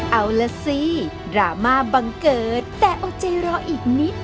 เอาล่ะสิดราม่าบังเกิดแต่อดใจรออีกนิด